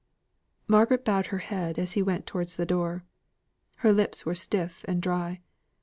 Margaret bowed her head as he went towards the door. Her lips were stiff and dry.